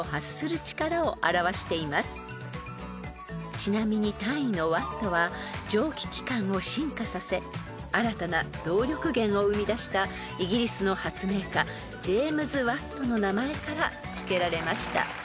［ちなみに単位のワットは蒸気機関を進化させ新たな動力源を生み出したイギリスの発明家ジェームズ・ワットの名前から付けられました］